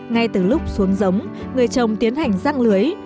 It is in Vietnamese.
ngay từ lúc xuống giống người trồng tiến hành răng lưới